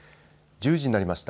１０時になりました。